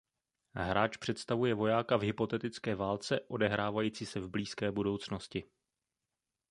Hráč představuje vojáka v hypotetické válce odehrávající se v blízké budoucnosti.